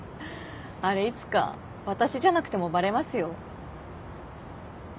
あれいつか私じゃなくてもバレますよ。